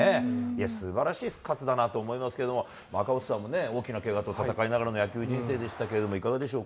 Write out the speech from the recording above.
いや、すばらしい復活だなと思いますけれども、赤星さんもね、大きなけがと闘いながらの野球人生でしたけれども、いかがでしょ